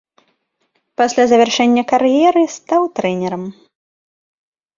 Пасля завяршэння кар'еры стаў трэнерам.